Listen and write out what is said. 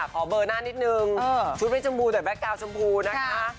ขอเบอร์หน้านิดนึงชุดไม่ชมพูแต่แก๊กาวชมพูนะคะ